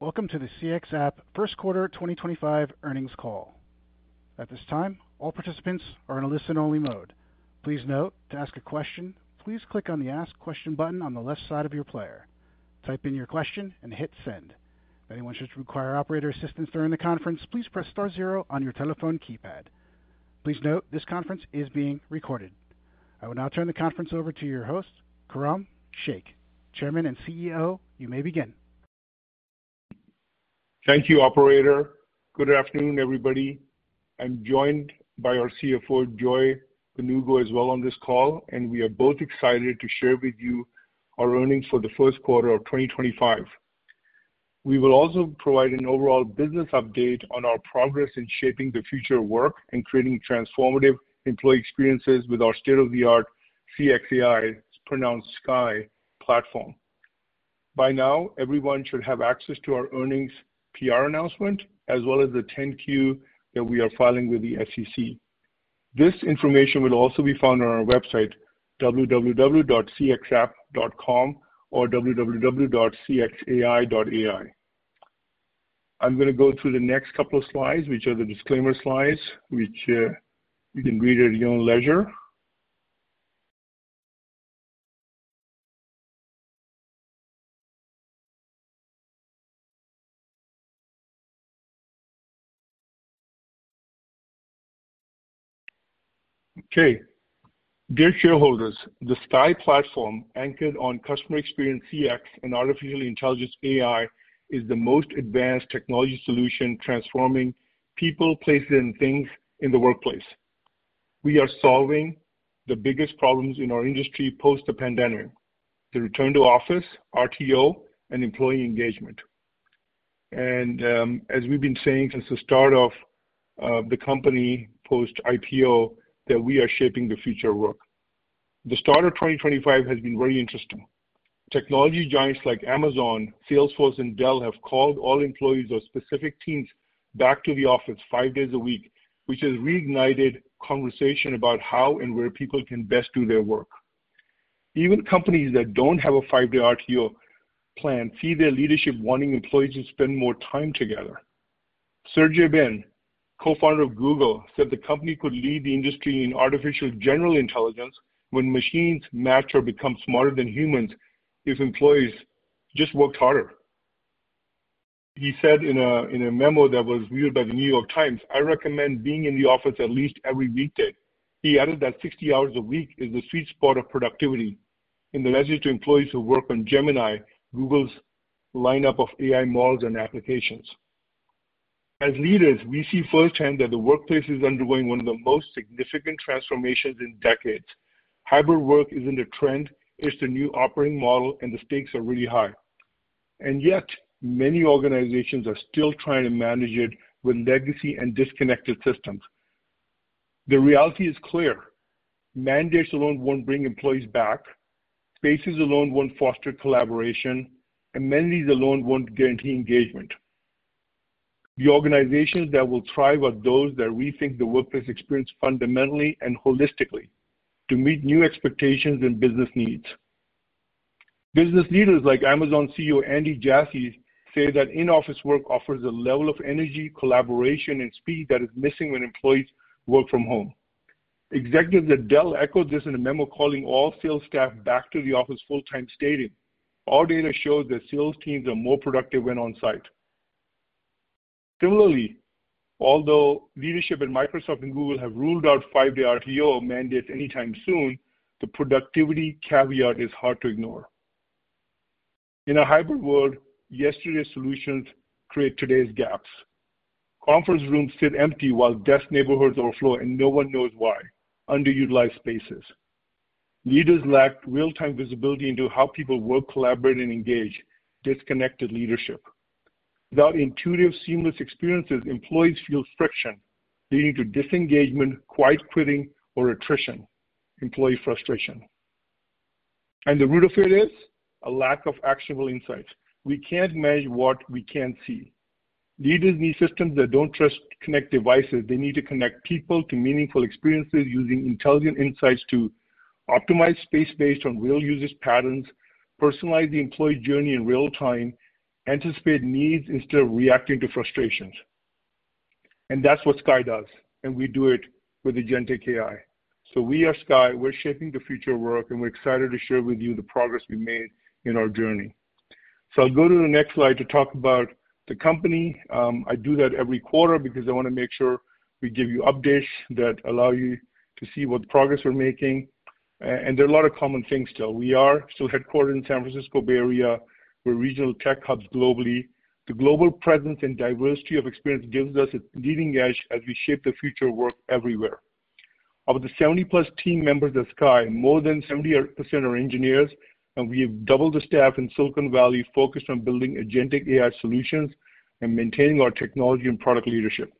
time, all participants are in a listen-only mode. Please note, to ask a question, please click on the Ask Question button on the left side of your player. Type in your question and hit Send. If anyone should require operator assistance during the conference, please press star zero on your telephone keypad. Please note, this conference is being recorded. I will now turn the conference over to your host, Khurram Sheikh. Chairman and CEO, you may begin. Thank you, Operator. Good afternoon, everybody. I'm joined by our CFO, Joy Mbanugo, as well on this call, and we are both excited to share with you our earnings for the first quarter of 2025. We will also provide an overall business update on our progress in shaping the future of work and creating transformative employee experiences with our state-of-the-art CXAI, pronounced CXAI platform. By now, everyone should have access to our earnings PR announcement, as well as the 10-Q that we are filing with the SEC. This information will also be found on our website, www.cxapp.com or www.cxai.ai. I'm going to go through the next couple of slides, which are the disclaimer slides, which you can read at your own leisure. Okay. Dear shareholders, the CXAI platform, anchored on customer experience CX and artificial intelligence AI, is the most advanced technology solution transforming people, places, and things in the workplace. We are solving the biggest problems in our industry post the pandemic: the return-to-office, RTO, and employee engagement. As we've been saying since the start of the company post-IPO, we are shaping the future of work. The start of 2025 has been very interesting. Technology giants like Amazon, Salesforce, and Dell have called all employees of specific teams back to the office five days a week, which has reignited conversation about how and where people can best do their work. Even companies that do not have a five-day RTO plan see their leadership wanting employees to spend more time together. Sergey Brin, co-founder of Google, said the company could lead the industry in artificial general intelligence when machines match or become smarter than humans if employees just worked harder. He said in a memo that was viewed by The New York Times, "I recommend being in the office at least every weekday." He added that 60 hours a week is the sweet spot of productivity in the legendary employees who work on Gemini, Google's lineup of AI models and applications. As leaders, we see firsthand that the workplace is undergoing one of the most significant transformations in decades. Hybrid work isn't a trend; it's the new operating model, and the stakes are really high. Yet, many organizations are still trying to manage it with legacy and disconnected systems. The reality is clear. Mandates alone won't bring employees back. Spaces alone won't foster collaboration. Amenities alone won't guarantee engagement. The organizations that will thrive are those that rethink the workplace experience fundamentally and holistically to meet new expectations and business needs. Business leaders like Amazon CEO Andy Jassy say that in-office work offers a level of energy, collaboration, and speed that is missing when employees work from home. Executives at Dell echoed this in a memo calling all sales staff back to the office full-time, stating, "Our data shows that sales teams are more productive when on-site." Similarly, although leadership at Microsoft and Google have ruled out five-day RTO mandates anytime soon, the productivity caveat is hard to ignore. In a hybrid world, yesterday's solutions create today's gaps. Conference rooms sit empty while desk neighborhoods overflow, and no one knows why: underutilized spaces. Leaders lack real-time visibility into how people work, collaborate, and engage disconnected leadership. Without intuitive, seamless experiences, employees feel friction, leading to disengagement, quiet quitting, or attrition, employee frustration. The root of it is a lack of actionable insights. We cannot manage what we cannot see. Leaders need systems that do not just connect devices; they need to connect people to meaningful experiences using intelligent insights to optimize space based on real usage patterns, personalize the employee journey in real time, anticipate needs instead of reacting to frustrations. That is what CXAI does, and we do it with Agentic AI. We are CXAI. We are shaping the future of work, and we are excited to share with you the progress we have made in our journey. I will go to the next slide to talk about the company. I do that every quarter because I want to make sure we give you updates that allow you to see what progress we are making. There are a lot of common things still. We are still headquartered in the San Francisco Bay Area. We are regional tech hubs globally. The global presence and diversity of experience gives us a leading edge as we shape the future of work everywhere. Of the 70+ team members at CXAI, more than 70% are engineers, and we have doubled the staff in Silicon Valley focused on building Agentic AI solutions and maintaining our technology and product leadership.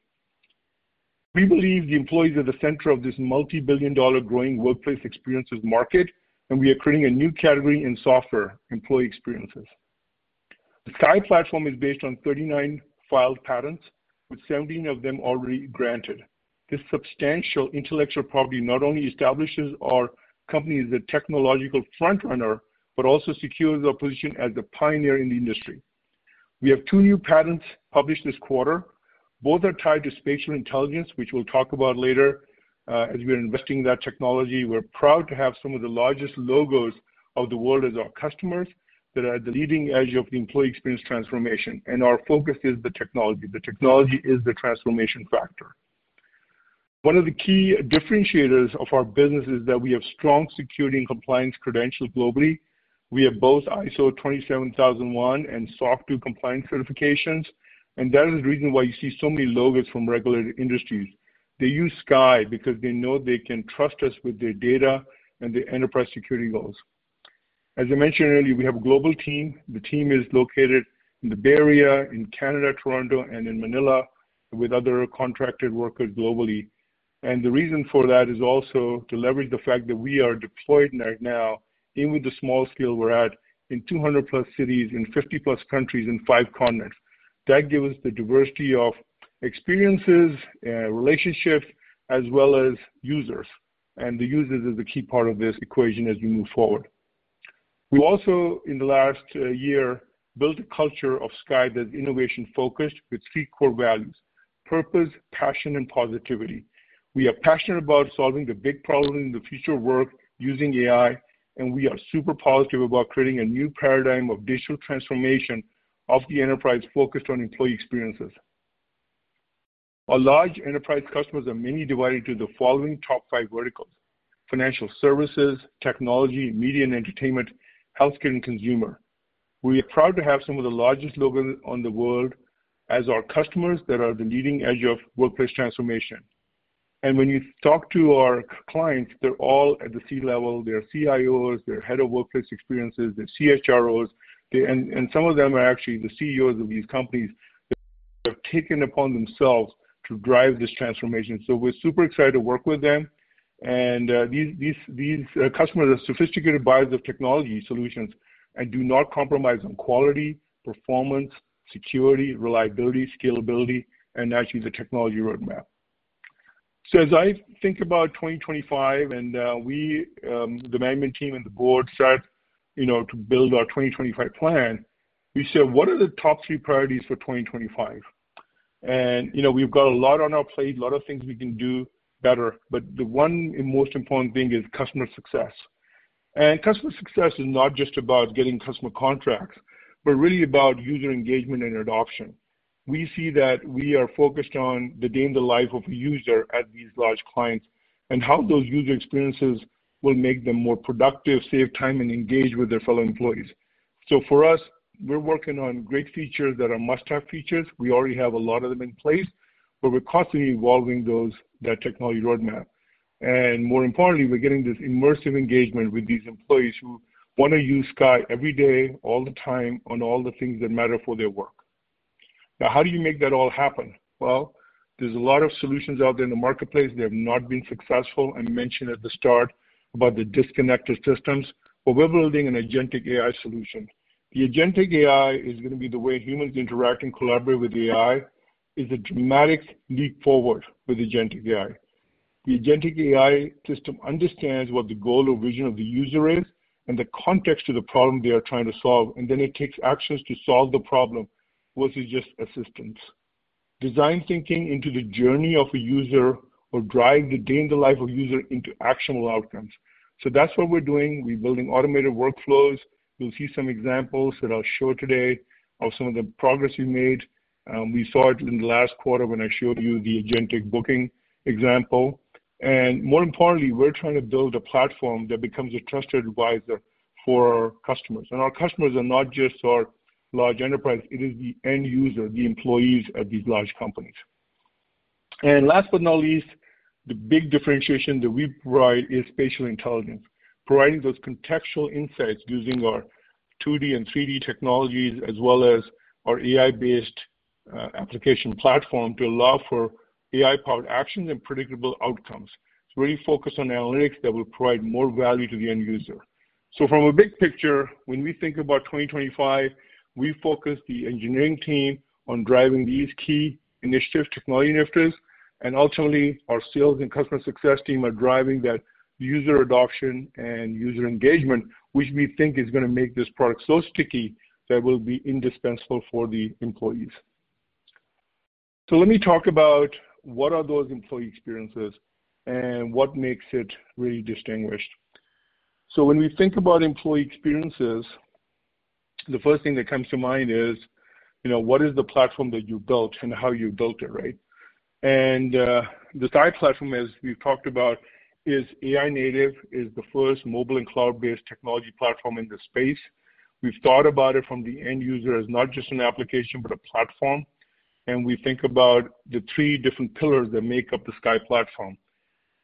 We believe the employees are the center of this multi-billion dollar growing workplace experiences market, and we are creating a new category in software employee experiences. The CXAI platform is based on 39 filed patents, with 17 of them already granted. This substantial intellectual property not only establishes our company as a technological frontrunner, but also secures our position as a pioneer in the industry. We have two new patents published this quarter. Both are tied to spatial intelligence, which we'll talk about later as we are investing in that technology. We're proud to have some of the largest logos of the world as our customers that are at the leading edge of the employee experience transformation. Our focus is the technology. The technology is the transformation factor. One of the key differentiators of our business is that we have strong security and compliance credentials globally. We have both ISO 27001 and SOC 2 compliance certifications, and that is the reason why you see so many logos from regulated industries. They use CXAI because they know they can trust us with their data and their enterprise security goals. As I mentioned earlier, we have a global team. The team is located in the Bay Area, in Canada, Toronto, and in Manila with other contracted workers globally. The reason for that is also to leverage the fact that we are deployed right now, even with the small scale we're at, in 200+ cities, in 50+ countries, in five continents. That gives us the diversity of experiences, relationships, as well as users. The users are the key part of this equation as we move forward. We also, in the last year, built a culture of CXAI that's innovation-focused with three core values: purpose, passion, and positivity. We are passionate about solving the big problems in the future of work using AI, and we are super positive about creating a new paradigm of digital transformation of the enterprise focused on employee experiences. Our large enterprise customers are mainly divided into the following top five verticals: financial services, technology, media and entertainment, healthcare, and consumer. We are proud to have some of the largest logos in the world as our customers that are at the leading edge of workplace transformation. When you talk to our clients, they're all at the C level. They're CIOs. They're head of workplace experiences. They're CHROs. Some of them are actually the CEOs of these companies that have taken it upon themselves to drive this transformation. We're super excited to work with them. These customers are sophisticated buyers of technology solutions and do not compromise on quality, performance, security, reliability, scalability, and actually the technology roadmap. As I think about 2025, and we, the management team and the board, started to build our 2025 plan, we said, "What are the top three priorities for 2025?" We have a lot on our plate, a lot of things we can do better, but the one most important thing is customer success. Customer success is not just about getting customer contracts, but really about user engagement and adoption. We see that we are focused on the day in the life of a user at these large clients and how those user experiences will make them more productive, save time, and engage with their fellow employees. For us, we're working on great features that are must-have features. We already have a lot of them in place, but we're constantly evolving that technology roadmap. More importantly, we're getting this immersive engagement with these employees who want to use CXAI every day, all the time, on all the things that matter for their work. Now, how do you make that all happen? There are a lot of solutions out there in the marketplace. They have not been successful. I mentioned at the start about the disconnected systems, but we're building an Agentic AI solution. The Agentic AI is going to be the way humans interact and collaborate with AI. It's a dramatic leap forward with Agentic AI. The Agentic AI system understands what the goal or vision of the user is and the context of the problem they are trying to solve, and then it takes actions to solve the problem versus just assistance. Design thinking into the journey of a user or drive the day in the life of a user into actionable outcomes. That's what we're doing. We're building automated workflows. You'll see some examples that I'll show today of some of the progress we made. We saw it in the last quarter when I showed you the agentic booking example. More importantly, we're trying to build a platform that becomes a trusted advisor for our customers. Our customers are not just our large enterprise. It is the end user, the employees at these large companies. Last but not least, the big differentiation that we provide is spatial intelligence, providing those contextual insights using our 2D and 3D technologies, as well as our AI-based application platform to allow for AI-powered actions and predictable outcomes. It's really focused on analytics that will provide more value to the end user. From a big picture, when we think about 2025, we focus the engineering team on driving these key initiatives, technology initiatives, and ultimately, our sales and customer success team are driving that user adoption and user engagement, which we think is going to make this product so sticky that it will be indispensable for the employees. Let me talk about what are those employee experiences and what makes it really distinguished. When we think about employee experiences, the first thing that comes to mind is, you know, what is the platform that you built and how you built it, right? The CXAI platform, as we've talked about, is AI native, is the first mobile and cloud-based technology platform in the space. We've thought about it from the end user as not just an application, but a platform. We think about the three different pillars that make up the CXAI platform.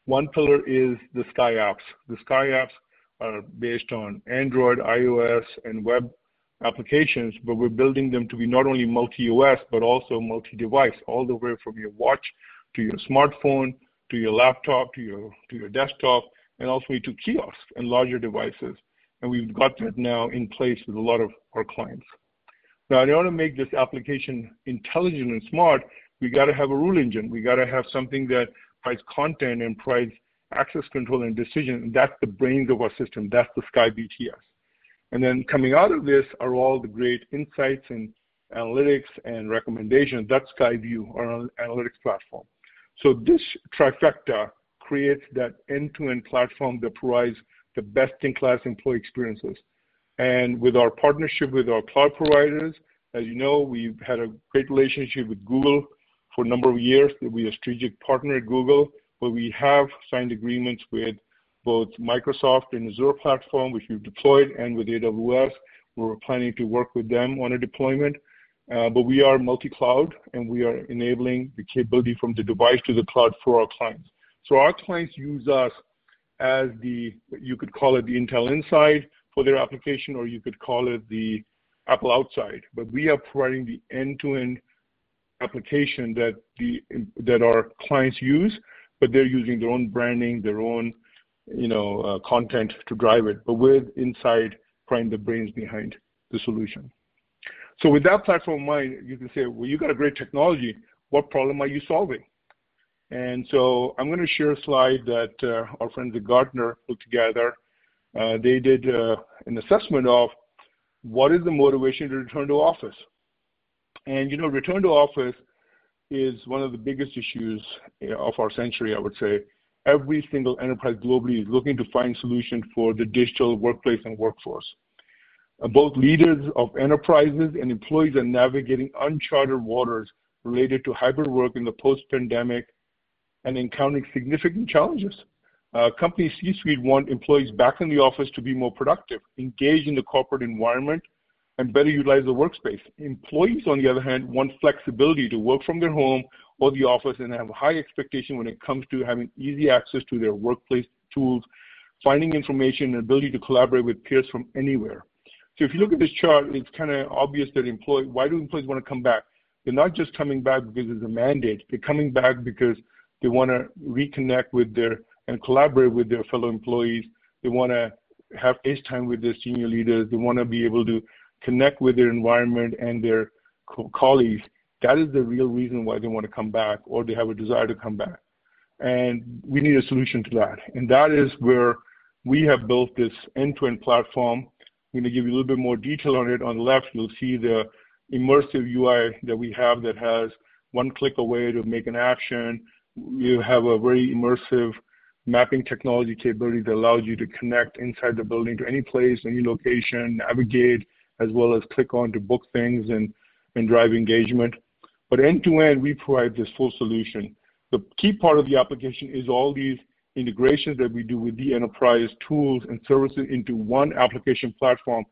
One pillar is the CXAI Apps. The CXAI Apps are based on Android, iOS, and web applications, but we're building them to be not only multi-OS, but also multi-device, all the way from your watch to your smartphone to your laptop to your desktop, and also into kiosks and larger devices. We've got that now in place with a lot of our clients. In order to make this application intelligent and smart, we got to have a rule engine. We got to have something that provides content and provides access control and decision. That's the brains of our system. That's the CXAI BTS. Coming out of this are all the great insights and analytics and recommendations. That's CXAI VU, our analytics platform. This trifecta creates that end-to-end platform that provides the best-in-class employee experiences. With our partnership with our cloud providers, as you know, we've had a great relationship with Google for a number of years. We are a strategic partner at Google, but we have signed agreements with both Microsoft and Azure platform, which we've deployed, and with AWS, where we're planning to work with them on a deployment. We are multi-cloud, and we are enabling the capability from the device to the cloud for our clients. Our clients use us as the, you could call it the Intel inside for their application, or you could call it the Apple outside. We are providing the end-to-end application that our clients use, but they're using their own branding, their own content to drive it, but with Inside playing the brains behind the solution. With that platform in mind, you can say, "Well, you've got a great technology. What problem are you solving?" I'm going to share a slide that our friends at Gartner put together. They did an assessment of what is the motivation to return-to-office. Return-to-office is one of the biggest issues of our century, I would say. Every single enterprise globally is looking to find solutions for the digital workplace and workforce. Both leaders of enterprises and employees are navigating unchartered waters related to hybrid work in the post-pandemic and encountering significant challenges. Company C-suite want employees back in the office to be more productive, engage in the corporate environment, and better utilize the workspace. Employees, on the other hand, want flexibility to work from their home or the office and have high expectations when it comes to having easy access to their workplace tools, finding information, and the ability to collaborate with peers from anywhere. If you look at this chart, it's kind of obvious that employees—why do employees want to come back? They're not just coming back because it's a mandate. They're coming back because they want to reconnect with their and collaborate with their fellow employees. They want to have face time with their senior leaders. They want to be able to connect with their environment and their colleagues. That is the real reason why they want to come back, or they have a desire to come back. We need a solution to that. That is where we have built this end-to-end platform. I'm going to give you a little bit more detail on it. On the left, you'll see the immersive UI that we have that has one click away to make an action. You have a very immersive mapping technology capability that allows you to connect inside the building to any place, any location, navigate, as well as click on to book things and drive engagement. End-to-end, we provide this full solution. The key part of the application is all these integrations that we do with the enterprise tools and services into one application platform,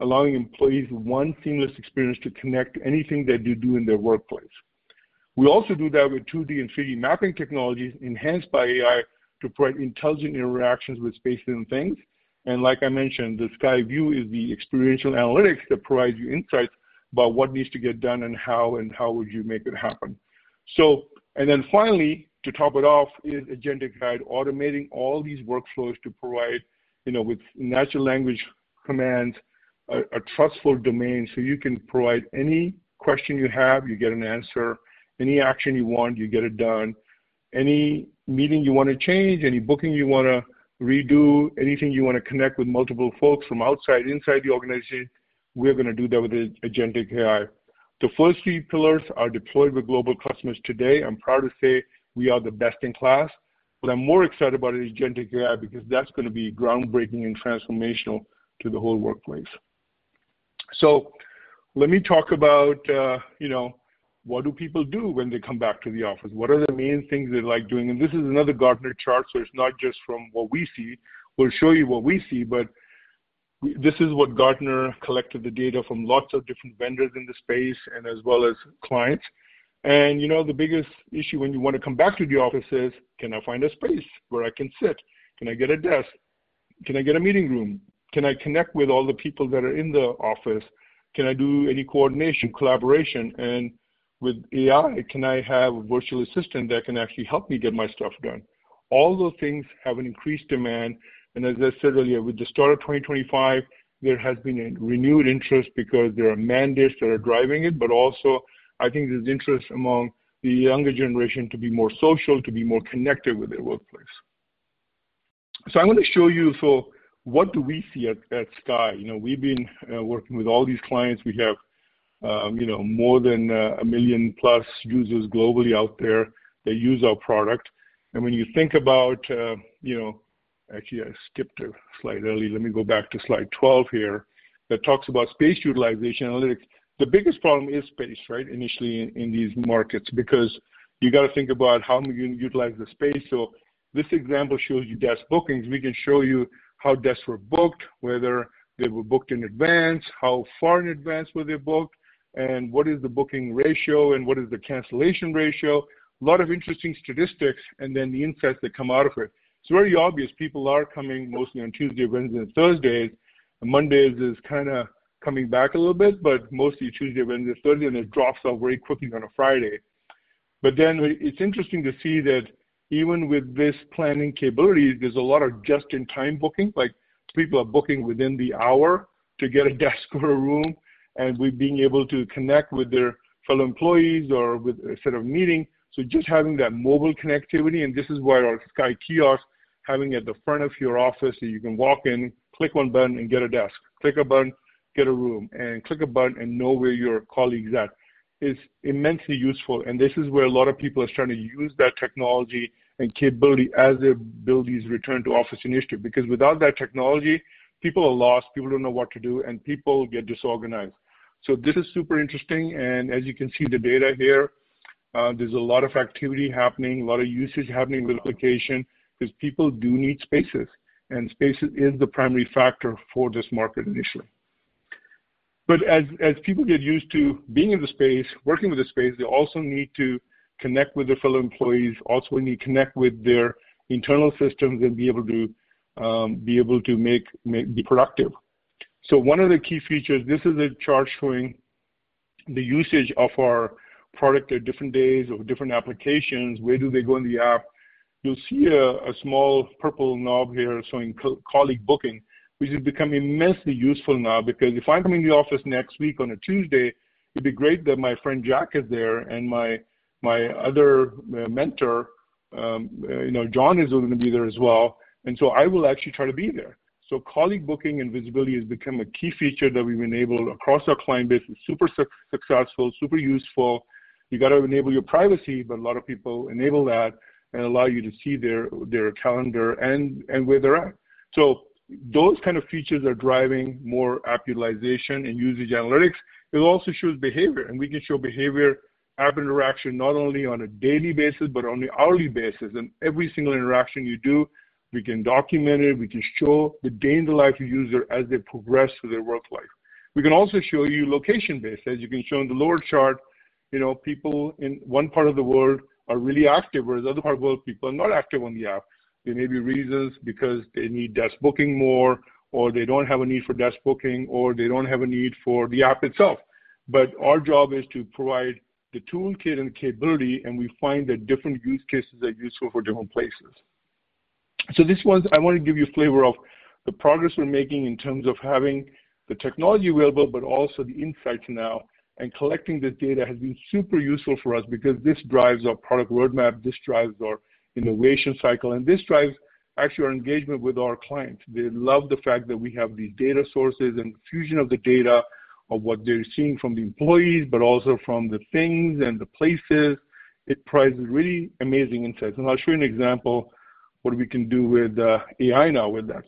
allowing employees one seamless experience to connect to anything that they do in their workplace. We also do that with 2D and 3D mapping technologies enhanced by AI to provide intelligent interactions with spaces and things. Like I mentioned, the CXAI VU is the experiential analytics that provides you insights about what needs to get done and how, and how would you make it happen. Finally, to top it off, is agentic guide automating all these workflows to provide with natural language commands, a trustful domain. You can provide any question you have, you get an answer. Any action you want, you get it done. Any meeting you want to change, any booking you want to redo, anything you want to connect with multiple folks from outside, inside the organization, we're going to do that with Agentic AI. The first three pillars are deployed with global customers today. I'm proud to say we are the best in class. I'm more excited about Agentic AI because that's going to be groundbreaking and transformational to the whole workplace. Let me talk about what do people do when they come back to the office. What are the main things they like doing? This is another Gartner chart, so it's not just from what we see. We'll show you what we see, but this is what Gartner collected, the data from lots of different vendors in the space and as well as clients. The biggest issue when you want to come back to the office is, "Can I find a space where I can sit? Can I get a desk? Can I get a meeting room? Can I connect with all the people that are in the office? Can I do any coordination, collaboration?" With AI, can I have a virtual assistant that can actually help me get my stuff done? All those things have an increased demand. As I said earlier, with the start of 2025, there has been a renewed interest because there are mandates that are driving it, but also I think there is interest among the younger generation to be more social, to be more connected with their workplace. I am going to show you, what do we see at CXAI? We have been working with all these clients. We have more than 1 million+ users globally out there that use our product. When you think about—actually, I skipped a slide early. Let me go back to slide 12 here that talks about space utilization analytics. The biggest problem is space, right, initially in these markets because you have to think about how you utilize the space. This example shows you desk bookings. We can show you how desks were booked, whether they were booked in advance, how far in advance were they booked, and what is the booking ratio and what is the cancellation ratio. A lot of interesting statistics and then the insights that come out of it. It's very obvious people are coming mostly on Tuesdays, Wednesdays, and Thursdays. Mondays is kind of coming back a little bit, but mostly Tuesday, Wednesday, Thursday, and it drops off very quickly on a Friday. It is interesting to see that even with this planning capability, there's a lot of just-in-time booking. People are booking within the hour to get a desk or a room, and we're being able to connect with their fellow employees or with a set of meetings. Just having that mobile connectivity, and this is why our CXAI Kiosks are at the front of your office so you can walk in, click one button, and get a desk. Click a button, get a room, and click a button and know where your colleagues are at. It's immensely useful. This is where a lot of people are starting to use that technology and capability as they build these return-to-office initiatives because without that technology, people are lost. People don't know what to do, and people get disorganized. This is super interesting. As you can see the data here, there's a lot of activity happening, a lot of usage happening with the application because people do need spaces. Spaces is the primary factor for this market initially. As people get used to being in the space, working with the space, they also need to connect with their fellow employees. Also, we need to connect with their internal systems and be able to be productive. One of the key features, this is a chart showing the usage of our product at different days or different applications. Where do they go in the app? You'll see a small purple knob here showing colleague booking, which has become immensely useful now because if I'm coming to the office next week on a Tuesday, it'd be great that my friend Jack is there and my other mentor, John, is going to be there as well. I will actually try to be there. Colleague booking and visibility has become a key feature that we've enabled across our client base. It's super successful, super useful. You got to enable your privacy, but a lot of people enable that and allow you to see their calendar and where they're at. Those kind of features are driving more app utilization and usage analytics. It also shows behavior, and we can show behavior, app interaction, not only on a daily basis, but on an hourly basis. Every single interaction you do, we can document it. We can show the day in the life of the user as they progress through their work life. We can also show you location-based, as you can show in the lower chart. People in one part of the world are really active, whereas the other part of the world, people are not active on the app. There may be reasons because they need desk booking more, or they do not have a need for desk booking, or they do not have a need for the app itself. Our job is to provide the toolkit and capability, and we find that different use cases are useful for different places. This was, I want to give you a flavor of the progress we are making in terms of having the technology available, but also the insights now and collecting this data has been super useful for us because this drives our product roadmap. This drives our innovation cycle, and this drives actually our engagement with our clients. They love the fact that we have these data sources and fusion of the data of what they are seeing from the employees, but also from the things and the places. It provides really amazing insights. I'll show you an example of what we can do with AI now with that.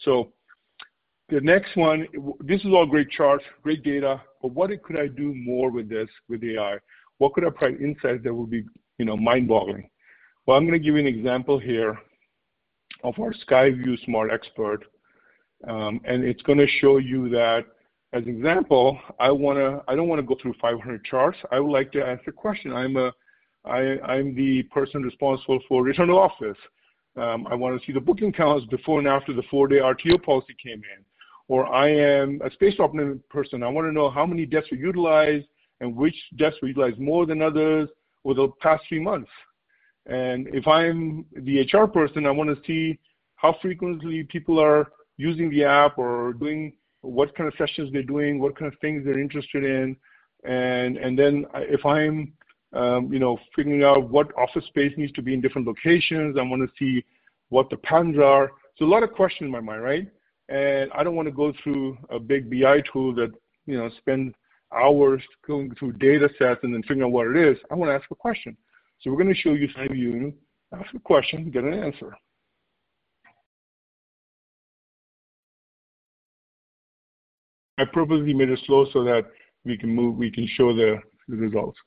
The next one, this is all great charts, great data, but what could I do more with this with AI? What could I provide insights that would be mind-boggling? I'm going to give you an example here of our CXAI VU smart expert. It's going to show you that, as an example, I don't want to go through 500 charts. I would like to answer a question. I'm the person responsible for return-to-office. I want to see the booking counts before and after the four-day RTO policy came in. Or I am a space operating person. I want to know how many desks were utilized and which desks were utilized more than others over the past few months. If I'm the HR person, I want to see how frequently people are using the app or doing what kind of sessions they're doing, what kind of things they're interested in. If I'm figuring out what office space needs to be in different locations, I want to see what the patterns are. A lot of questions in my mind, right? I don't want to go through a big BI tool that spends hours going through data sets and then figuring out what it is. I want to ask a question. We're going to show you CXAI VU. Ask a question, get an answer. I purposely made it slow so that we can show the results.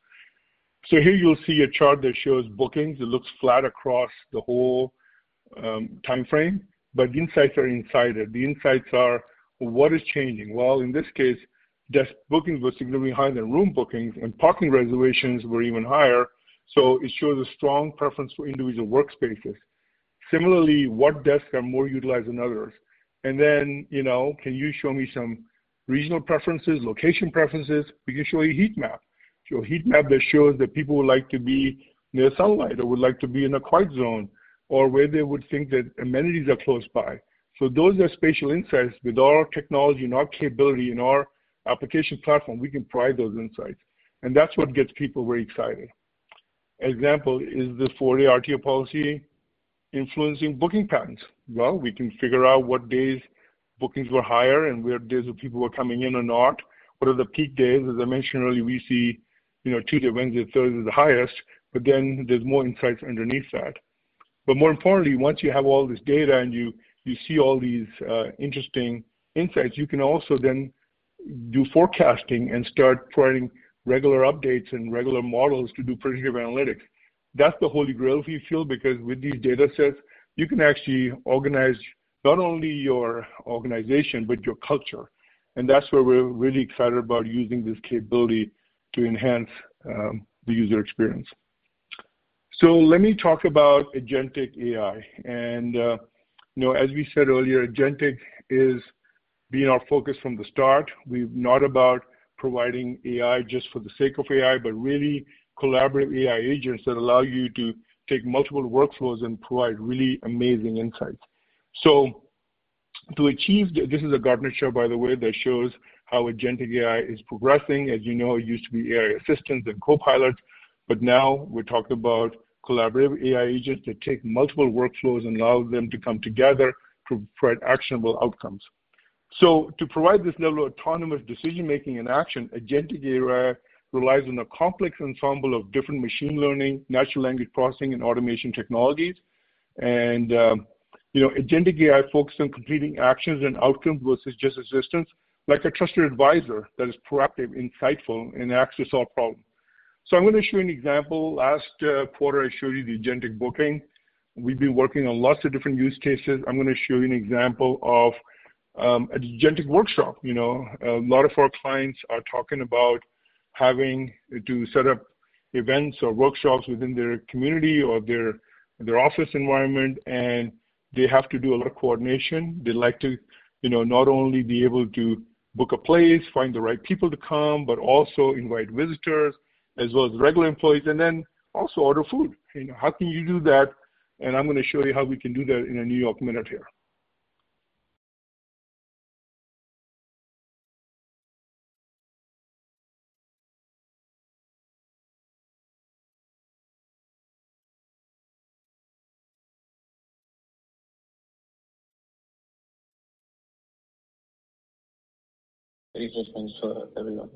Here you'll see a chart that shows bookings. It looks flat across the whole timeframe, but the insights are inside it. The insights are what is changing. In this case, desk bookings were significantly higher than room bookings, and parking reservations were even higher. It shows a strong preference for individual workspaces. Similarly, what desks are more utilized than others? Can you show me some regional preferences, location preferences? We can show you a heat map. Show a heat map that shows that people would like to be near sunlight or would like to be in a quiet zone or where they would think that amenities are close by. Those are spatial insights. With our technology and our capability and our application platform, we can provide those insights. That is what gets people very excited. Example is the four-day RTO policy influencing booking patterns. We can figure out what days bookings were higher and where days where people were coming in or not. What are the peak days? As I mentioned earlier, we see Tuesday, Wednesday, Thursday is the highest, but then there's more insights underneath that. More importantly, once you have all this data and you see all these interesting insights, you can also then do forecasting and start providing regular updates and regular models to do predictive analytics. That's the holy grail feel because with these data sets, you can actually organize not only your organization, but your culture. That's where we're really excited about using this capability to enhance the user experience. Let me talk about Agentic AI. As we said earlier, agentic has been our focus from the start. We're not about providing AI just for the sake of AI, but really collaborative AI agents that allow you to take multiple workflows and provide really amazing insights. To achieve, this is a Gartner chart, by the way, that shows how Agentic AI is progressing. As you know, it used to be AI assistants and copilots, but now we're talking about collaborative AI agents that take multiple workflows and allow them to come together to provide actionable outcomes. To provide this level of autonomous decision-making and action, Agentic AI relies on a complex ensemble of different machine learning, natural language processing, and automation technologies. Agentic AI focuses on completing actions and outcomes versus just assistance, like a trusted advisor that is proactive, insightful, and acts to solve problems. I'm going to show you an example. Last quarter, I showed you the agentic booking. We've been working on lots of different use cases. I'm going to show you an example of an agentic workshop. A lot of our clients are talking about having to set up events or workshops within their community or their office environment, and they have to do a lot of coordination. They like to not only be able to book a place, find the right people to come, but also invite visitors as well as regular employees, and then also order food. How can you do that? I'm going to show you how we can do that in a New York minute here. Thank you so much for everyone.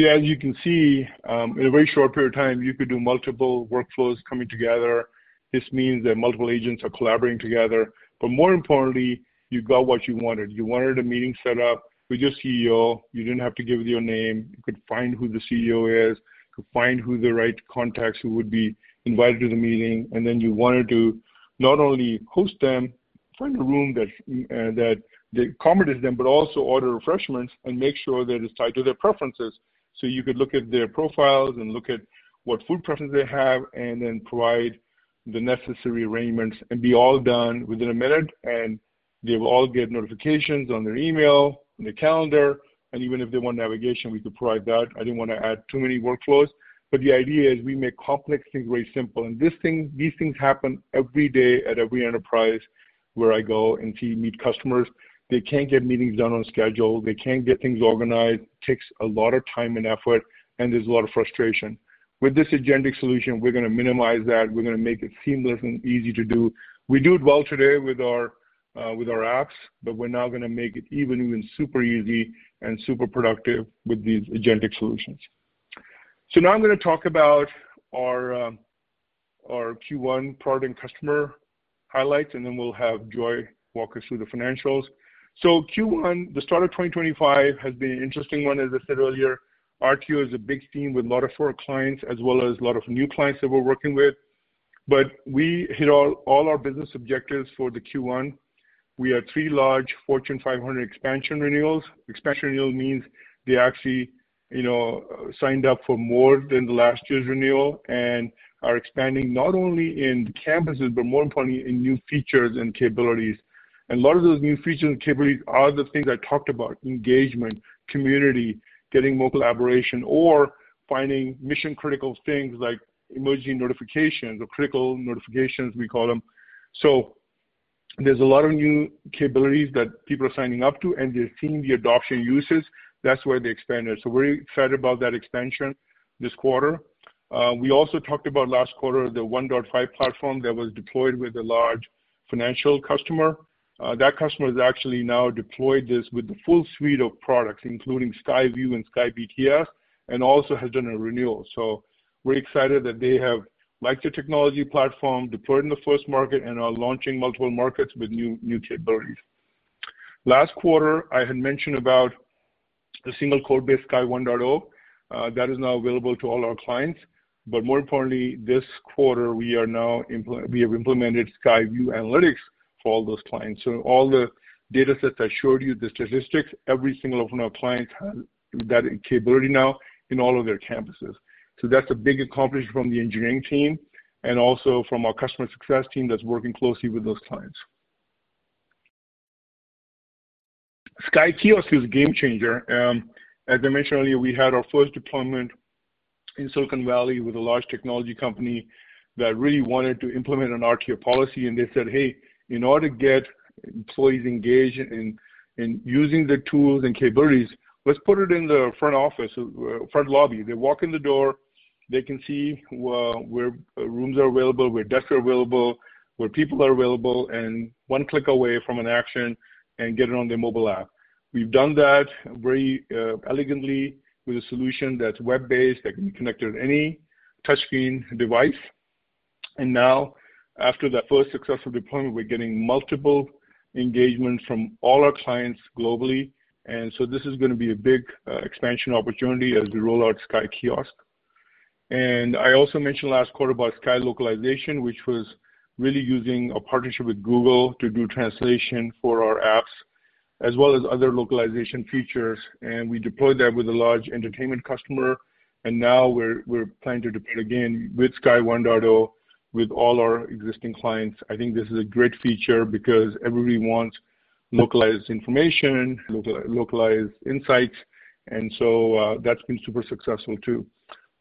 See, as you can see, in a very short period of time, you could do multiple workflows coming together. This means that multiple agents are collaborating together. More importantly, you got what you wanted. You wanted a meeting set up with your CEO. You didn't have to give your name. You could find who the CEO is, could find who the right contacts who would be invited to the meeting. You wanted to not only host them, find a room that accommodates them, but also order refreshments and make sure that it's tied to their preferences. You could look at their profiles and look at what food preferences they have and then provide the necessary arrangements and be all done within a minute. They will all get notifications on their email, on their calendar. Even if they want navigation, we could provide that. I didn't want to add too many workflows. The idea is we make complex things very simple. These things happen every day at every enterprise where I go and see meet customers. They can't get meetings done on schedule. They can't get things organized. It takes a lot of time and effort, and there's a lot of frustration. With this agentic solution, we're going to minimize that. We're going to make it seamless and easy to do. We do it well today with our apps, but we're now going to make it even super easy and super productive with these agentic solutions. Now I'm going to talk about our Q1 product and customer highlights, and then we'll have Joy walk us through the financials. Q1, the start of 2025, has been an interesting one, as I said earlier. RTO is a big theme with a lot of clients, as well as a lot of new clients that we're working with. We hit all our business objectives for Q1. We have three large Fortune 500 expansion renewals. Expansion renewal means they actually signed up for more than the last year's renewal and are expanding not only in campuses, but more importantly, in new features and capabilities. A lot of those new features and capabilities are the things I talked about: engagement, community, getting more collaboration, or finding mission-critical things like emergency notifications or critical notifications, we call them. There is a lot of new capabilities that people are signing up to, and they're seeing the adoption uses. That is why they expanded. We are excited about that expansion this quarter. We also talked about last quarter, the 1.5 platform that was deployed with a large financial customer. That customer has actually now deployed this with the full suite of products, including CXAI VU and CXAI BTS, and also has done a renewal. We're excited that they have liked the technology platform, deployed in the first market, and are launching multiple markets with new capabilities. Last quarter, I had mentioned about the single code-based CXAI 1.0. That is now available to all our clients. More importantly, this quarter, we have implemented CXAI VU analytics for all those clients. All the data sets I showed you, the statistics, every single one of our clients has that capability now in all of their campuses. That's a big accomplishment from the engineering team and also from our customer success team that's working closely with those clients. CXAI Kiosk is a game changer. As I mentioned earlier, we had our first deployment in Silicon Valley with a large technology company that really wanted to implement an RTO policy. They said, "Hey, in order to get employees engaged in using the tools and capabilities, let's put it in the front office, front lobby." They walk in the door. They can see where rooms are available, where desks are available, where people are available, and one click away from an action and get it on their mobile app. We've done that very elegantly with a solution that's web-based that can be connected to any touchscreen device. Now, after that first successful deployment, we're getting multiple engagements from all our clients globally. This is going to be a big expansion opportunity as we roll out CXAI Kiosk. I also mentioned last quarter about CXAI localization, which was really using a partnership with Google to do translation for our apps, as well as other localization features. We deployed that with a large entertainment customer. We are planning to deploy it again with CXAI 1.0 with all our existing clients. I think this is a great feature because everybody wants localized information, localized insights. That has been super successful too.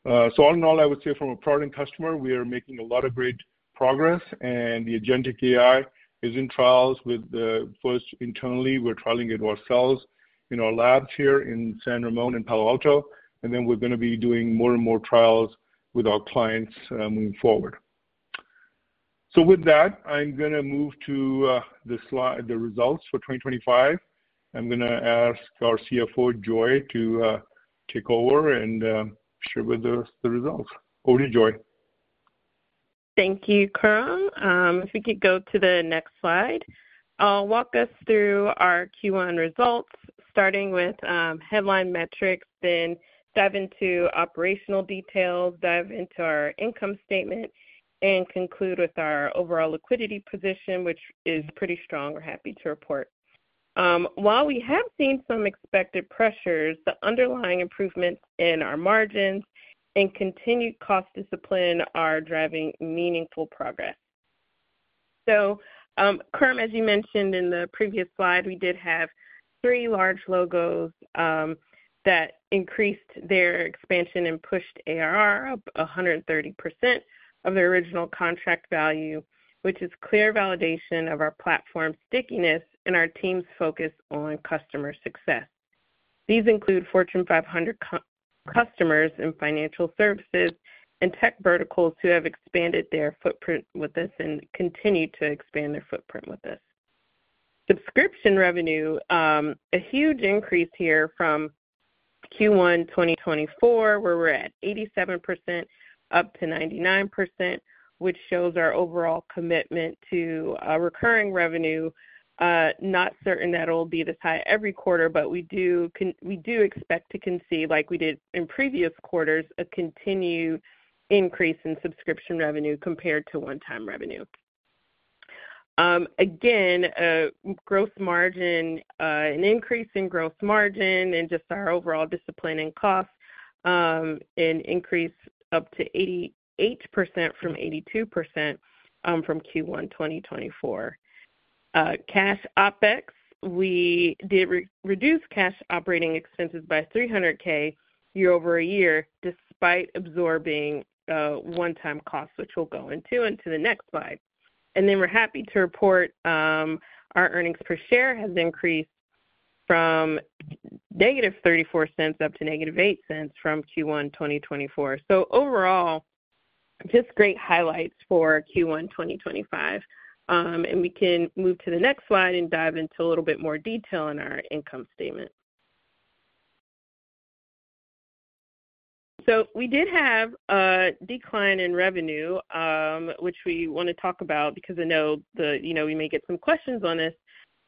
All in all, I would say from a product and customer perspective, we are making a lot of great progress. The Agentic AI is in trials with the first internally. We are trialing it ourselves in our labs here in San Ramon and Palo Alto. We are going to be doing more and more trials with our clients moving forward. With that, I am going to move to the results for 2025. I am going to ask our CFO, Joy, to take over and share with us the results. Over to Joy. Thank you, Khurram. If we could go to the next slide, I'll walk us through our Q1 results, starting with headline metrics, then dive into operational details, dive into our income statement, and conclude with our overall liquidity position, which is pretty strong. We're happy to report. While we have seen some expected pressures, the underlying improvements in our margins and continued cost discipline are driving meaningful progress. Khurram, as you mentioned in the previous slide, we did have three large logos that increased their expansion and pushed ARR up 130% of their original contract value, which is clear validation of our platform stickiness and our team's focus on customer success. These include Fortune 500 customers in financial services and tech verticals who have expanded their footprint with us and continue to expand their footprint with us. Subscription revenue, a huge increase here from Q1 2024, where we're at 87% up to 99%, which shows our overall commitment to recurring revenue. Not certain that it'll be this high every quarter, but we do expect to conceive, like we did in previous quarters, a continued increase in subscription revenue compared to one-time revenue. Again, an increase in gross margin and just our overall discipline and costs and increase up to 88% from 82% from Q1 2024. Cash OpEx, we did reduce cash operating expenses by $300,000 year over a year despite absorbing one-time costs, which we'll go into into the next slide. We're happy to report our earnings per share has increased from -$0.34 up to -$0.08 from Q1 2024. Overall, just great highlights for Q1 2025. We can move to the next slide and dive into a little bit more detail in our income statement. We did have a decline in revenue, which we want to talk about because I know we may get some questions on this.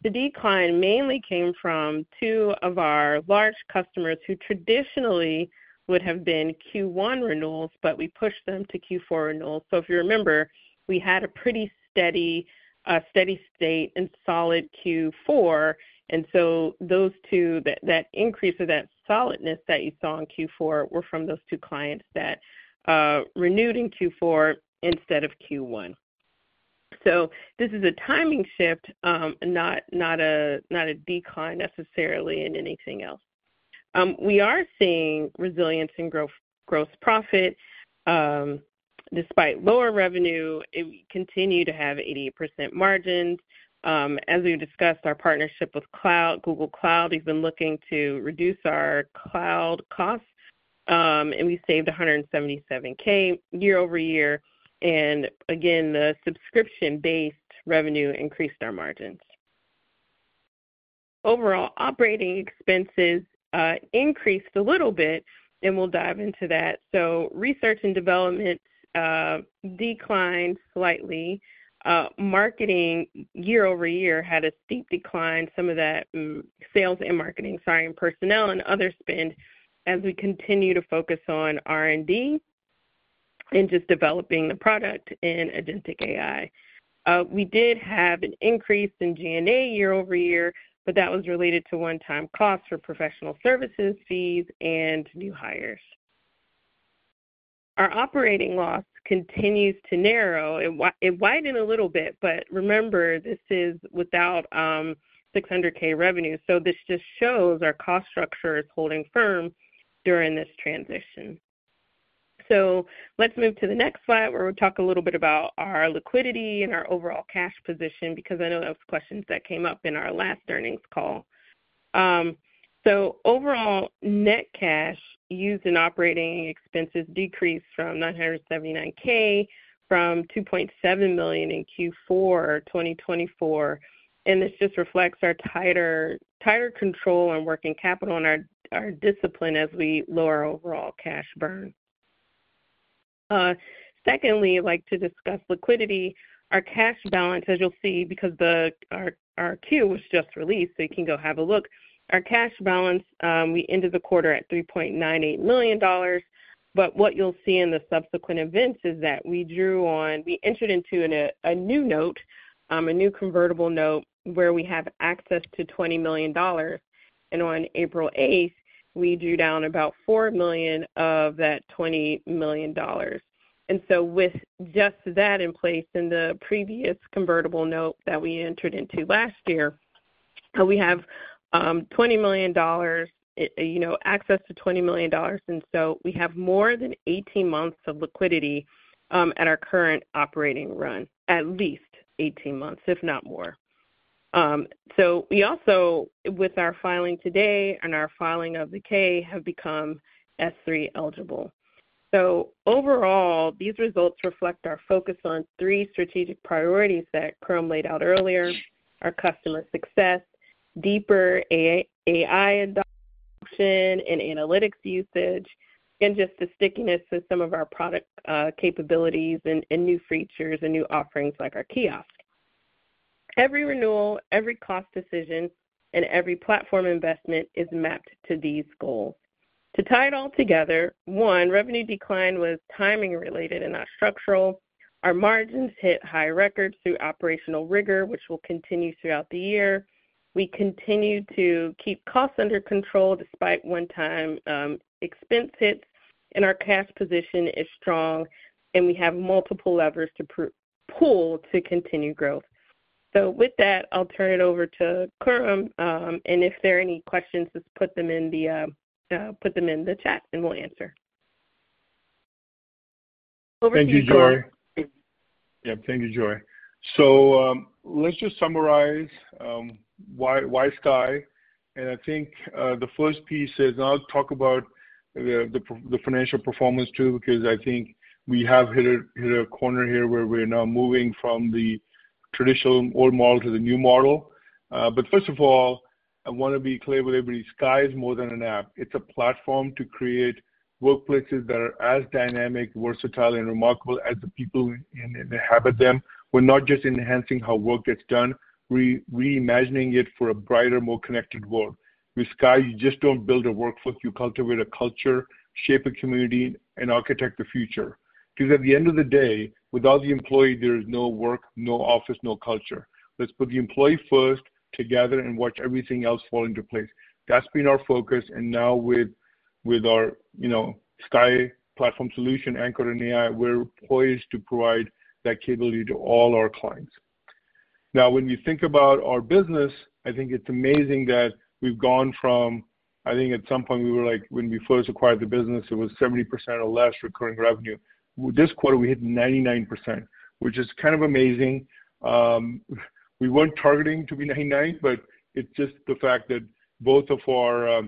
The decline mainly came from two of our large customers who traditionally would have been Q1 renewals, but we pushed them to Q4 renewals. If you remember, we had a pretty steady state and solid Q4. Those two, that increase or that solidness that you saw in Q4 were from those two clients that renewed in Q4 instead of Q1. This is a timing shift, not a decline necessarily in anything else. We are seeing resilience in gross profit. Despite lower revenue, we continue to have 88% margins. As we discussed, our partnership with Google Cloud, we've been looking to reduce our cloud costs, and we saved $177,000 year-over-year. The subscription-based revenue increased our margins. Overall operating expenses increased a little bit, and we'll dive into that. Research and development declined slightly. Marketing year-over-year had a steep decline, some of that sales and marketing, sorry, and personnel and other spend as we continue to focus on R&D and just developing the product and Agentic AI. We did have an increase in G&A year-over-year, but that was related to one-time costs for professional services fees and new hires. Our operating loss continues to narrow. It widened a little bit, but remember, this is without $600,000 revenue. This just shows our cost structure is holding firm during this transition. Let's move to the next slide where we'll talk a little bit about our liquidity and our overall cash position because I know that was questions that came up in our last earnings call. Overall, net cash used in operating expenses decreased to $979,000 from $2.7 million in Q4 2024. This just reflects our tighter control on working capital and our discipline as we lower overall cash burn. Secondly, I'd like to discuss liquidity. Our cash balance, as you'll see, because our Q was just released, so you can go have a look. Our cash balance, we ended the quarter at $3.98 million. What you'll see in the subsequent events is that we entered into a new note, a new convertible note where we have access to $20 million. On April 8th, we drew down about $4 million of that $20 million. With just that in place in the previous convertible note that we entered into last year, we have $20 million, access to $20 million. We have more than 18 months of liquidity at our current operating run, at least 18 months, if not more. We also, with our filing today and our filing of the K, have become S-3 eligible. Overall, these results reflect our focus on three strategic priorities that Khurram laid out earlier: our customer success, deeper AI adoption and analytics usage, and just the stickiness of some of our product capabilities and new features and new offerings like our kiosk. Every renewal, every cost decision, and every platform investment is mapped to these goals. To tie it all together, one, revenue decline was timing-related and not structural. Our margins hit high records through operational rigor, which will continue throughout the year. We continue to keep costs under control despite one-time expense hits, and our cash position is strong, and we have multiple levers to pull to continue growth. With that, I'll turn it over to Khurram. If there are any questions, just put them in the chat, and we'll answer. Over to Joy. Thank you, Joy. Yeah, thank you, Joy. Let's just summarize why CXAI. I think the first piece is, and I'll talk about the financial performance too, because I think we have hit a corner here where we're now moving from the traditional old model to the new model. First of all, I want to be clear with everybody, CXAI is more than an app. It's a platform to create workplaces that are as dynamic, versatile, and remarkable as the people inhabit them. We're not just enhancing how work gets done. We're reimagining it for a brighter, more connected world. With CXAI, you just don't build a workforce. You cultivate a culture, shape a community, and architect the future. Because at the end of the day, without the employee, there is no work, no office, no culture. Let's put the employee first, together, and watch everything else fall into place. That's been our focus. Now with our CXAI platform solution anchored in AI, we're poised to provide that capability to all our clients. Now, when you think about our business, I think it's amazing that we've gone from, I think at some point we were like, when we first acquired the business, it was 70% or less recurring revenue. This quarter, we hit 99%, which is kind of amazing. We were not targeting to be 99, but it is just the fact that both of our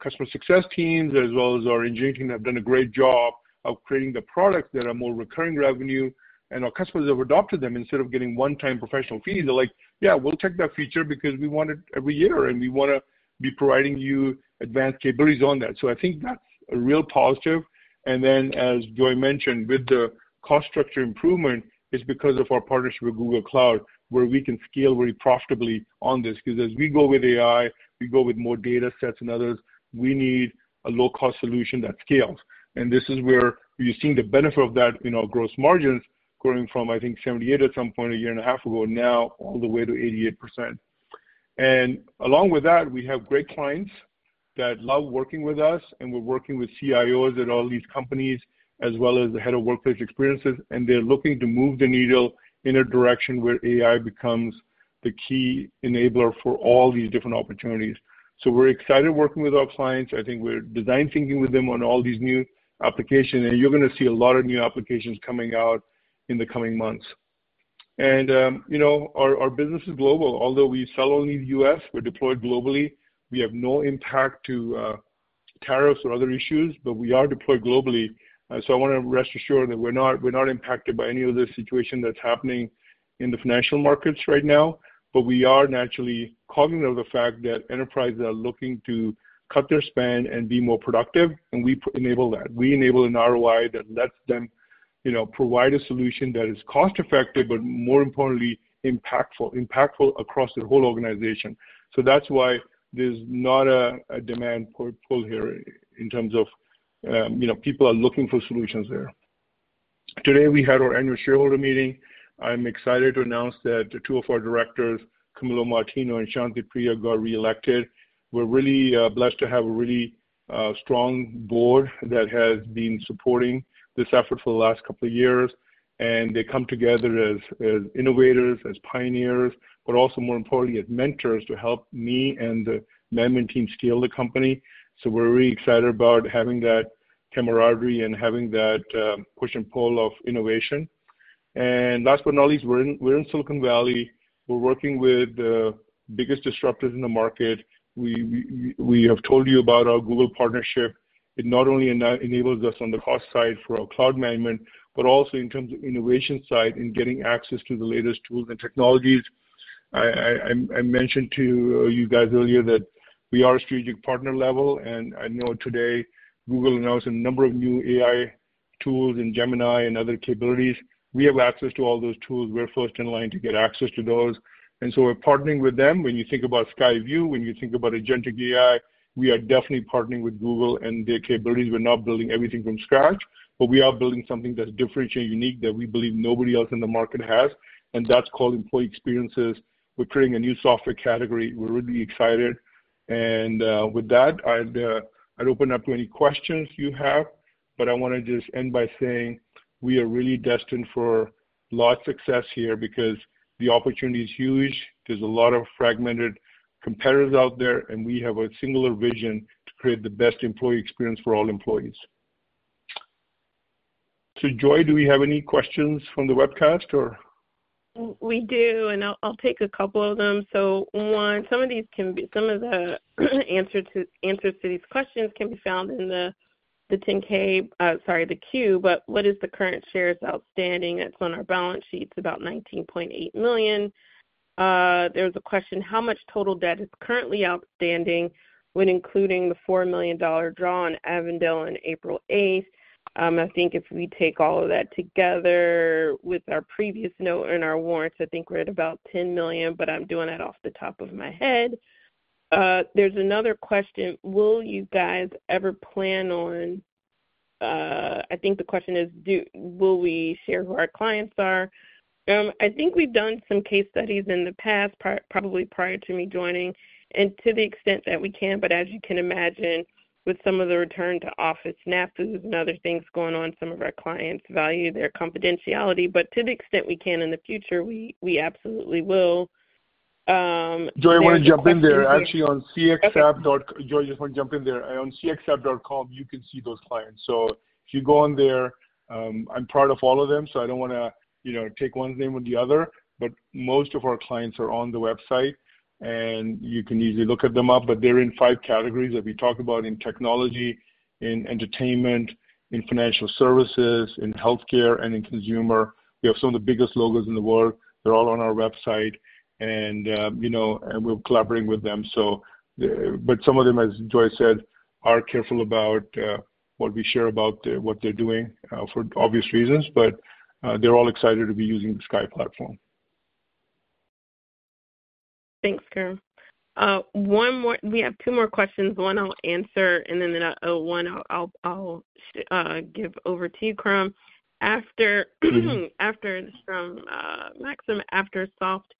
customer success teams, as well as our engineering team, have done a great job of creating the products that are more recurring revenue. And our customers have adopted them instead of getting one-time professional fees. They are like, "Yeah, we will check that feature because we want it every year, and we want to be providing you advanced capabilities on that." I think that is a real positive. Then, as Joy mentioned, with the cost structure improvement, it is because of our partnership with Google Cloud, where we can scale really profitably on this. As we go with AI, we go with more data sets and others, we need a low-cost solution that scales. This is where you're seeing the benefit of that in our gross margins going from, I think, 78 at some point a year and a half ago, now all the way to 88%. Along with that, we have great clients that love working with us, and we're working with CIOs at all these companies, as well as the head of workplace experiences. They're looking to move the needle in a direction where AI becomes the key enabler for all these different opportunities. We're excited working with our clients. I think we're design-thinking with them on all these new applications. You're going to see a lot of new applications coming out in the coming months. Our business is global. Although we sell only in the U.S., we're deployed globally. We have no impact to tariffs or other issues, but we are deployed globally. I want to rest assured that we're not impacted by any of this situation that's happening in the financial markets right now. We are naturally cognizant of the fact that enterprises are looking to cut their spend and be more productive. We enable that. We enable an ROI that lets them provide a solution that is cost-effective, but more importantly, impactful across the whole organization. That is why there's not a demand pull here in terms of people are looking for solutions there. Today, we had our annual shareholder meeting. I'm excited to announce that two of our directors, Camilo Martino and Shanti Priya, got reelected. We're really blessed to have a really strong board that has been supporting this effort for the last couple of years. They come together as innovators, as pioneers, but also more importantly, as mentors to help me and the management team scale the company. We are really excited about having that camaraderie and having that push and pull of innovation. Last but not least, we are in Silicon Valley. We are working with the biggest disruptors in the market. We have told you about our Google partnership. It not only enables us on the cost side for our cloud management, but also in terms of innovation side and getting access to the latest tools and technologies. I mentioned to you guys earlier that we are at a strategic partner level. I know today Google announced a number of new AI tools and Gemini and other capabilities. We have access to all those tools. We are first in line to get access to those. We are partnering with them. When you think about CXAI VU, when you think about Agentic AI, we are definitely partnering with Google and their capabilities. We're not building everything from scratch, but we are building something that's different and unique that we believe nobody else in the market has. And that's called employee experiences. We're creating a new software category. We're really excited. With that, I'd open up to any questions you have. I want to just end by saying we are really destined for a lot of success here because the opportunity is huge. There's a lot of fragmented competitors out there, and we have a singular vision to create the best employee experience for all employees. Joy, do we have any questions from the webcast or? We do. I'll take a couple of them. One, some of the answers to these questions can be found in the 10-K, sorry, the Q. What is the current shares outstanding? That is on our balance sheets. It is about $19.8 million. There was a question: how much total debt is currently outstanding when including the $4 million drawn Avondale on April 8th? I think if we take all of that together with our previous note and our warrants, I think we are at about $10 million, but I am doing that off the top of my head. There is another question: will you guys ever plan on—I think the question is, will we share who our clients are? I think we have done some case studies in the past, probably prior to me joining, and to the extent that we can. As you can imagine, with some of the return-to-office is not good and other things going on, some of our clients value their confidentiality. To the extent we can in the future, we absolutely will. Joy, I want to jump in there. Actually, on CXApp. Joy, just want to jump in there. On CXApp.com, you can see those clients. If you go on there, I'm proud of all of them. I don't want to take one's name or the other. Most of our clients are on the website, and you can easily look them up. They're in five categories that we talked about: in technology, in entertainment, in financial services, in healthcare, and in consumer. We have some of the biggest logos in the world. They're all on our website, and we're collaborating with them. Some of them, as Joy said, are careful about what we share about what they're doing for obvious reasons. They're all excited to be using the CXAI platform. Thanks, Khurram. We have two more questions. One I'll answer, and then one I'll give over to you, Khurram. After Maxim, after soft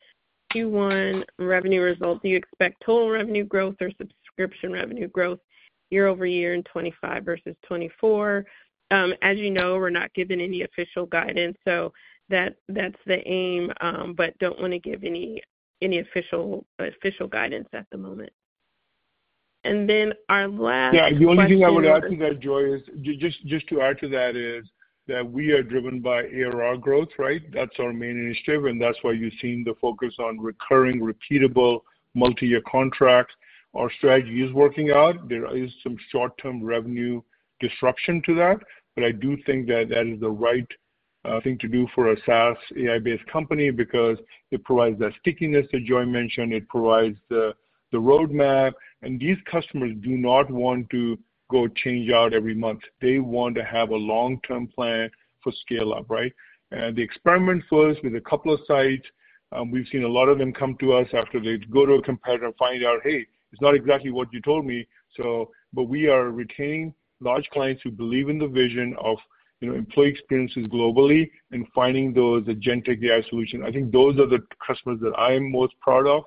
Q1 revenue results, do you expect total revenue growth or subscription revenue growth year-over-year in 2025 versus 2024? As you know, we're not giving any official guidance. That's the aim, but don't want to give any official guidance at the moment. Our last question. Yeah, the only thing I would add to that, Joy, is just to add to that is that we are driven by ARR growth, right? That's our main initiative. That's why you've seen the focus on recurring, repeatable multi-year contracts. Our strategy is working out. There is some short-term revenue disruption to that. I do think that that is the right thing to do for a SaaS AI-based company because it provides that stickiness that Joy mentioned. It provides the roadmap. These customers do not want to go change out every month. They want to have a long-term plan for scale-up, right? They experiment first with a couple of sites. We've seen a lot of them come to us after they go to a competitor and find out, "Hey, it's not exactly what you told me." We are retaining large clients who believe in the vision of employee experiences globally and finding those Agentic AI solutions. I think those are the customers that I'm most proud of.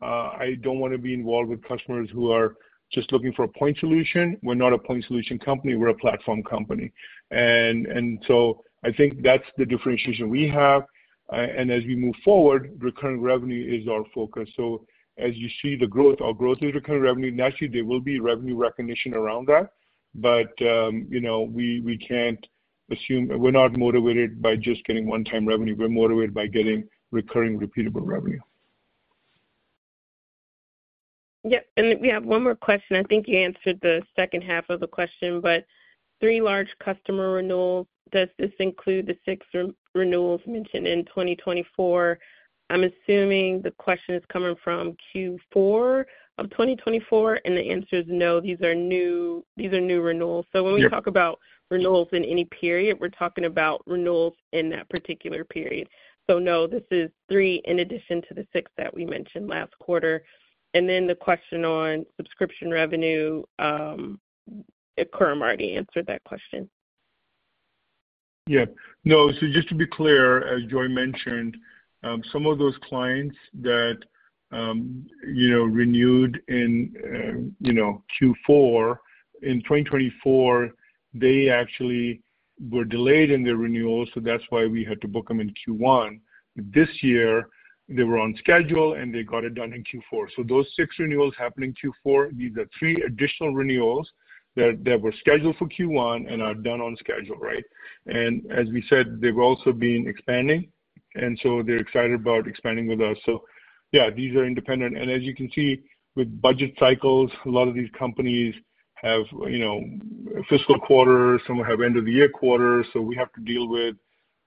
I don't want to be involved with customers who are just looking for a point solution. We're not a point solution company. We're a platform company. I think that's the differentiation we have. As we move forward, recurring revenue is our focus. As you see the growth, our growth is recurring revenue. Naturally, there will be revenue recognition around that. We can't assume we're not motivated by just getting one-time revenue. We're motivated by getting recurring, repeatable revenue. Yep. We have one more question. I think you answered the second half of the question. Three large customer renewals, does this include the six renewals mentioned in 2024? I'm assuming the question is coming from Q4 of 2024. The answer is no. These are new renewals. When we talk about renewals in any period, we're talking about renewals in that particular period. No, this is three in addition to the six that we mentioned last quarter. The question on subscription revenue, Khurram already answered that question. Yeah. No, just to be clear, as Joy mentioned, some of those clients that renewed in Q4 in 2024 actually were delayed in their renewals. That is why we had to book them in Q1. This year, they were on schedule, and they got it done in Q4. Those six renewals happened in Q4. These are three additional renewals that were scheduled for Q1 and are done on schedule, right? As we said, they have also been expanding, and they are excited about expanding with us. Yeah, these are independent. As you can see, with budget cycles, a lot of these companies have fiscal quarters. Some have end-of-the-year quarters. We have to deal with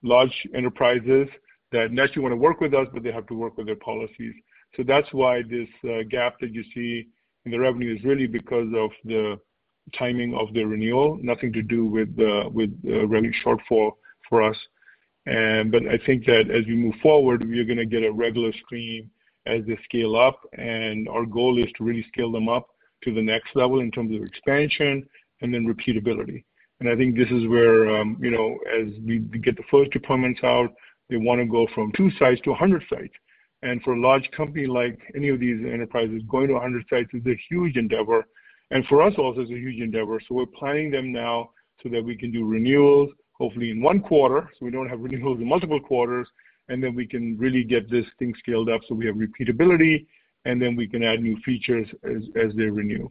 large enterprises that naturally want to work with us, but they have to work with their policies. That's why this gap that you see in the revenue is really because of the timing of their renewal. Nothing to do with revenue shortfall for us. I think that as we move forward, we are going to get a regular screen as they scale up. Our goal is to really scale them up to the next level in terms of expansion and then repeatability. I think this is where as we get the first deployments out, they want to go from two sites to 100 sites. For a large company like any of these enterprises, going to 100 sites is a huge endeavor. For us also, it's a huge endeavor. We are planning them now so that we can do renewals, hopefully in one quarter, so we do not have renewals in multiple quarters. Then we can really get this thing scaled up so we have repeatability. Then we can add new features as they renew.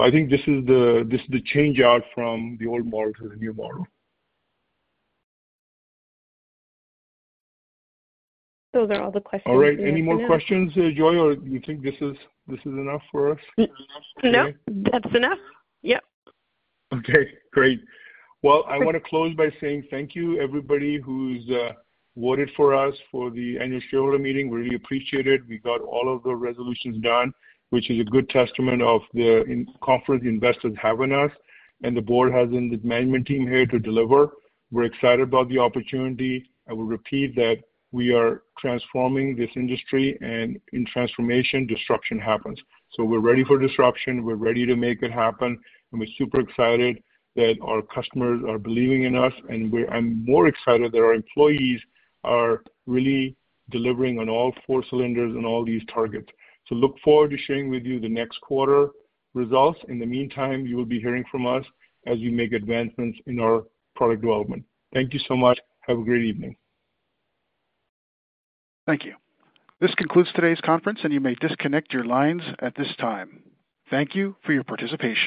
I think this is the change-out from the old model to the new model. Those are all the questions. All right. Any more questions, Joy? Or do you think this is enough for us? No, that's enough. Yep. Okay. Great. I want to close by saying thank you, everybody who's voted for us for the annual shareholder meeting. We really appreciate it. We got all of the resolutions done, which is a good testament of the conference investors having us. The board has the management team here to deliver. We're excited about the opportunity. I will repeat that we are transforming this industry. In transformation, disruption happens. We're ready for disruption. We're ready to make it happen. We are super excited that our customers are believing in us. I am more excited that our employees are really delivering on all four cylinders and all these targets. I look forward to sharing with you the next quarter results. In the meantime, you will be hearing from us as we make advancements in our product development. Thank you so much. Have a great evening. Thank you. This concludes today's conference, and you may disconnect your lines at this time. Thank you for your participation.